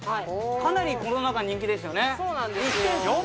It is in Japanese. かなりコロナ禍で人気ですよね。